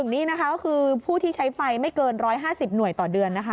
๑๑นี่คือผู้ที่ใช้ไฟไม่เกิน๑๕๐หน่วยต่อเดือน